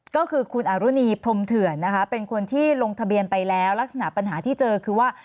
ก็คือคุณอรุณีพรมเถื่อนนะคะเป็นคนที่ลงทะเบียนไปแล้วลักษณะปัญหาที่เจอคือว่า